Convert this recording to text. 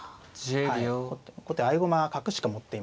後手合駒角しか持っていませんので。